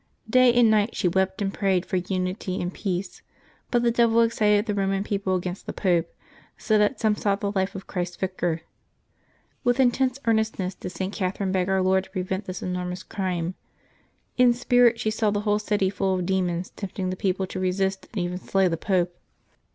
Day and niglit she wept and prayed for unity and peace. But the devil excited the Eoman people against the Pope, so that some sought the life of Christ's Vicar. With intense earnestness did St. Catherine beg Our Lord to prevent this enormous crime. In spirit she saw the whole city full of demons tempting the people to resist and even slay the Pope.